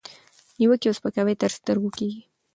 نیوکې او سپکاوي تر سترګو کېږي،